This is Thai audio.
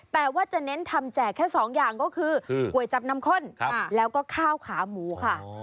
แต่ว่าจะเน้นทำแจกแค่สองอย่างก็คือก๋วยจับน้ำข้นแล้วก็ข้าวขาหมูค่ะ